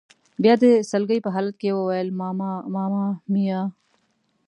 بیا د سلګۍ په حالت کې یې وویل: ماما ماما میا.